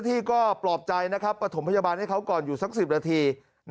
ที่ก็ปลอบใจนะครับประถมพยาบาลให้เขาก่อนอยู่สัก๑๐นาที